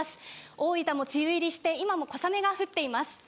大分も梅雨入りして、今も小雨が降っています。